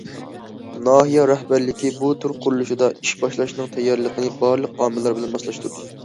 ناھىيە رەھبەرلىكى بۇ تۈر قۇرۇلۇشىدا ئىش باشلاشنىڭ تەييارلىقىنى بارلىق ئاماللار بىلەن ماسلاشتۇردى.